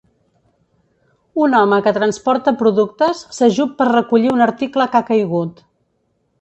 Un home que transporta productes s'ajup per recollir un article que ha caigut.